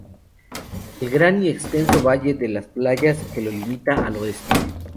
El gran y extenso valle de las Playas que lo limita al oeste.